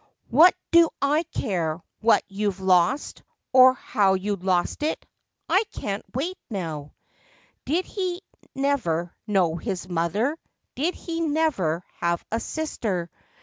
What do I care what you've lost, or How you lost it ?—I can't wait now ?" FACTS AND FANCIES. 55 Did he never know his mother? Did he never have a sister